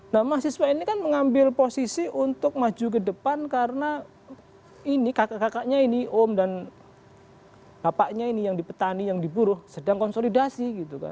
nah mahasiswa ini kan mengambil posisi untuk maju ke depan karena ini kakak kakaknya ini om dan bapaknya ini yang di petani yang diburu sedang konsolidasi gitu kan